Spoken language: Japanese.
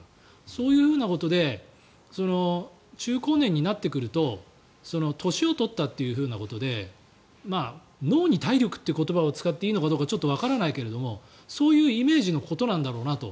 そういうふうなことで中高年になってくると年を取ったということで脳に体力という言葉を使っていいのかちょっとわからないけれどそういうイメージのことなんだろうなと。